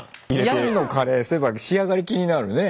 ヤンのカレーそういえば仕上がり気になるね。